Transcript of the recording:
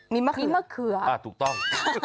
มีมะเขือมะเขือถูกต้อง